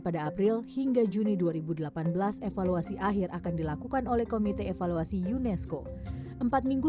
pada april hingga juni dua ribu delapan belas evaluasi akhir akan dilakukan oleh komite evaluasi unesco empat minggu